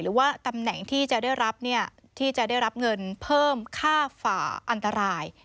หรือว่าตำแหน่งที่จะได้รับเงินเพิ่มค่าฝ่าอันตราย